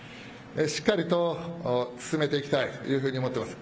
しっかりと進めていきたいというふうに思ってます。